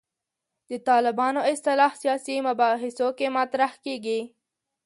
د طالبانو اصطلاح سیاسي مباحثو کې مطرح کېږي.